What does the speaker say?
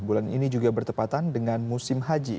bulan ini juga bertepatan dengan musim haji